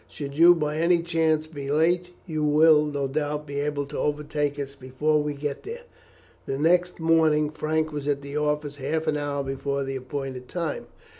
Should you by any chance be late, you will, no doubt, be able to overtake us before we get there." The next morning Frank was at the office half an hour before the appointed time.